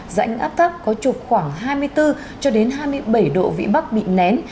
dãnh áp thấp có trục khoảng hai mươi bốn cho đến hai mươi bảy độ vị bắc bị nén